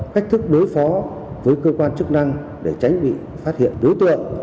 cách thức đối phó với cơ quan chức năng để tránh bị phát hiện đối tượng